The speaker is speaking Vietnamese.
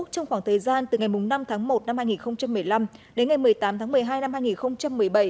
trong khoảng thời gian từ ngày năm tháng một năm hai nghìn một mươi năm đến ngày một mươi tám tháng một mươi hai năm hai nghìn một mươi bảy